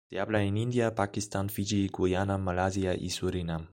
Se habla en India, Pakistán, Fiyi, Guyana, Malasia y Surinam.